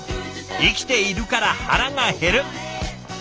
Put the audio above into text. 生きているから腹がへる。